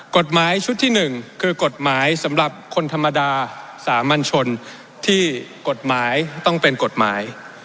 กฎหมายชุดที่๑คือกฎหมายสำหรับคนธรรมดาสามัญชนที่กฎหมายต้องเป็นกฎหมาย